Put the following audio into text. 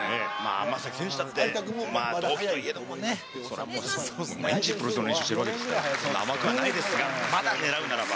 天咲選手だって、同期といえどもね、それはもちろん、毎日プロレスの練習してますから、甘くはないですが、まだ狙うならば。